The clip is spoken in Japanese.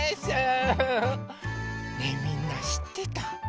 ねえみんなしってた？